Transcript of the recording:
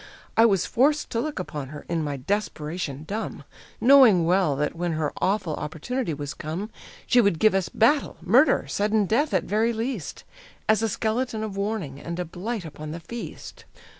I was forced to look upon her, in my desperation dumb Knowing well that when her awful opportunity was come She would give us battle, murder, sudden death at very least As a skeleton of warning, and a blight upon the feast.